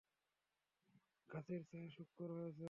গাছের ছায়া সুখকর হয়েছে।